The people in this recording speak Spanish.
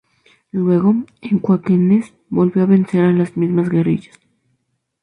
Luego, en Cauquenes volvió a vencer a las mismas guerrillas.